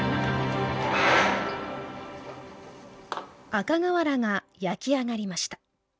赤瓦が焼き上がりました。